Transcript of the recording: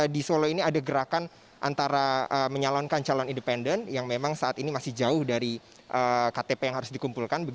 di solo ini ada gerakan antara menyalonkan calon independen yang memang saat ini masih jauh dari ktp yang harus dikumpulkan